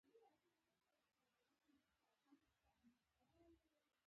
پښتونستان د لوی افغانستان برخه ده